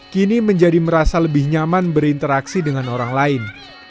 kini menjadi merasa lebih nyaman berinteraksi dengan orang lain